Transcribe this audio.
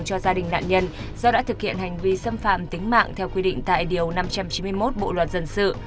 cho gia đình nạn nhân do đã thực hiện hành vi xâm phạm tính mạng theo quy định tại điều năm trăm chín mươi một bộ luật dân sự